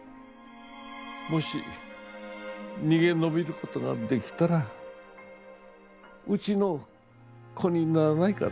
「もし逃げ延びることができたらうちの子にならないか」